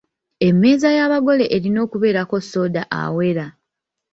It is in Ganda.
Emmeeza y’abagole erina okubeerako soda awera.